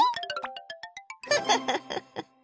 フフフフッ。